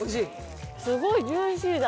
すごいジューシーだ。